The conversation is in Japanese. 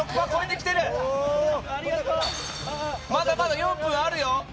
まだまだ４分あるよ！